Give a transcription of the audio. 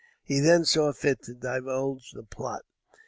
He then saw fit to divulge the plot.